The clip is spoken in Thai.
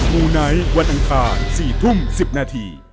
มูไนท์วันอังคาร๔ทุ่ม๑๐นาที